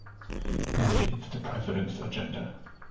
And it's the president's agenda.